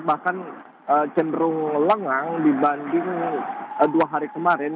bahkan cenderung lengang dibanding dua hari kemarin